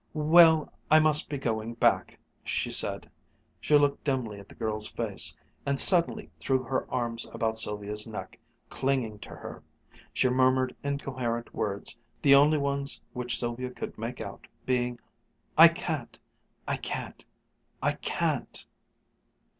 "Well, I must be going back," she said. She looked dimly at the girl's face, and suddenly threw her arms about Sylvia's neck, clinging to her. She murmured incoherent words, the only ones which Sylvia could make out being, "I can't I can't I _can't!